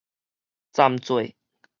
鏨做